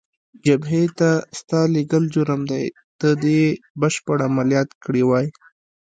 جبهې ته ستا لېږل جرم دی، ته دې یې بشپړ عملیات کړی وای.